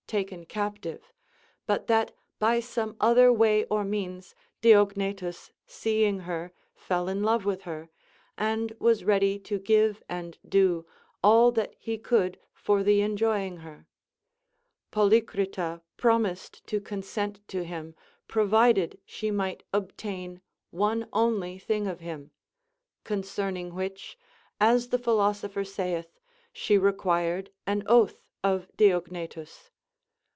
taken captive, but that by some other way or means Diogne tus seeing her fell in love with her, and was ready to give and do all that he could for the enjoying her. Polycrita promised to consent to him, provided she might obtain one only thing of him ; concerning which, as the philosopher saith, she required an oath of Diognetus.